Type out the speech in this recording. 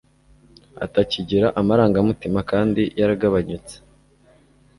atakigira amarangamutima kandi yaragabanutse